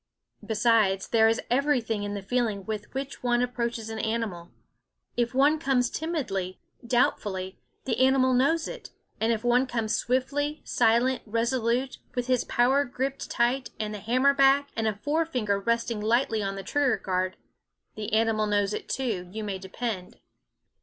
Besides, there is everything in the feeling with which one approaches an animal. If one comes timidly, doubtfully, the animal knows it; and if one comes swift, silent, resolute, with his power THE WOODS & gripped tight, and the hammer back, and a forefinger resting lightly on the trigger guard, the animal knows it too you may depend.